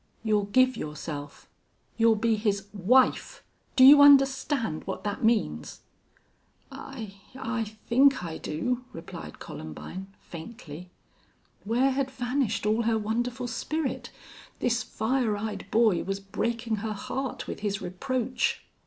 You'll give yourself. You'll be his wife! Do you understand what that means?" "I I think I do," replied Columbine, faintly. Where had vanished all her wonderful spirit? This fire eyed boy was breaking her heart with his reproach.